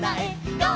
「ゴー！